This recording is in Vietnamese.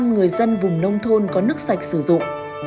một trăm linh người dân vùng nông thôn có nước sạch sử dụng